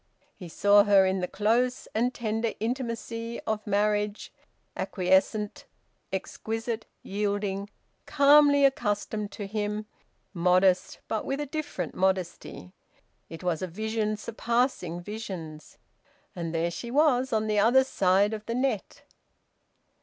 He saw her in the close and tender intimacy of marriage, acquiescent, exquisite, yielding, calmly accustomed to him, modest, but with a different modesty! It was a vision surpassing visions. And there she was on the other side of the net!